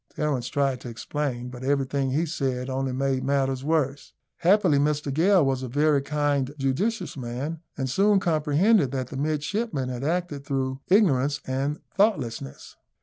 Terence tried to explain, but everything he said only made matters worse. Happily, Mr Gale was a very kind, judicious man, and soon comprehended that the midshipmen had acted through ignorance and thoughtlessness.